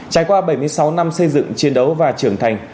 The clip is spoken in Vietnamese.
trải qua bảy mươi sáu năm xây dựng chiến đấu và trưởng thành